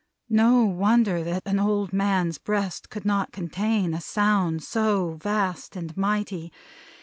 No wonder that an old man's breast could not contain a sound so vast and mighty.